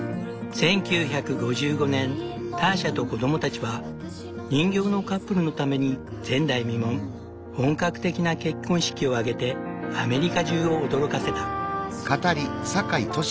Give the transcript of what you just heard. １９５５年ターシャと子供たちは人形のカップルのために前代未聞本格的な結婚式を挙げてアメリカ中を驚かせた。